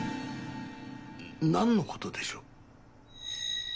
何のことでしょう？